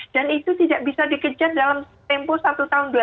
dan itu tidak bisa dikejar dalam tempo satu tahun dua tahun pak verdi